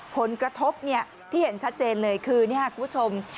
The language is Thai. ผลกระทบที่เห็นชัดเจนเลยคือนี่ครับคุณผู้ชม